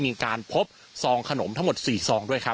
มีการพบสองขนมทั้งหมด๔สองด้วย